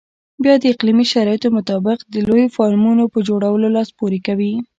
بیا د اقلیمي شرایطو مطابق د لویو فارمونو په جوړولو لاس پورې کوي.